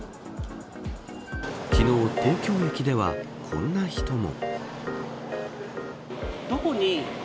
昨日、東京駅ではこんな人も。